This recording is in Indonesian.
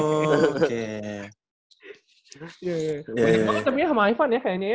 banyak banget namanya sama hai fun ya kayaknya ya